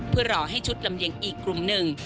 เพื่อรอให้ชุดลำเลียงอีกกลุ่มหนึ่ง